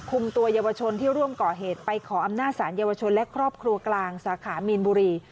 ตัวเยาวชนที่ร่วมก่อเหตุไปขออำนาจสารเยาวชนและครอบครัวกลางสาขามีนบุรี